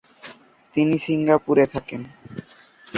তিনি সিঙ্গাপুরে থাকেন।